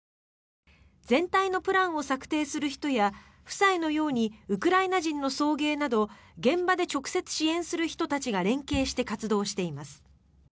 全体のプランを策定する人や夫妻のようにウクライナ人の送迎など現場で直接支援する人たちが連携して活動しています。